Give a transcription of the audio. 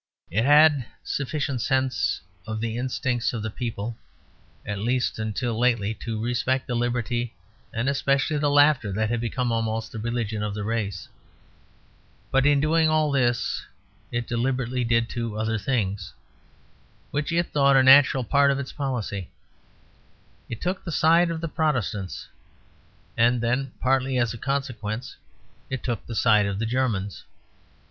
It had sufficient sense of the instincts of the people, at least until lately, to respect the liberty and especially the laughter that had become almost the religion of the race. But in doing all this, it deliberately did two other things, which it thought a natural part of its policy; it took the side of the Protestants, and then (partly as a consequence) it took the side of the Germans.